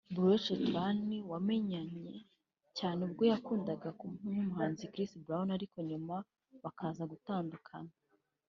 Karrueche Tran wamamaye cyane ubwo yakundanaga n’umuhanzi Chris Brown ariko nyuma bakazagutandukana